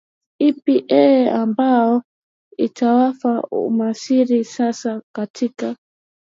ipi eeh ambao itawafaa wamisri sasa katika